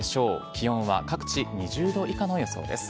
気温は各地２０度以下の予想です。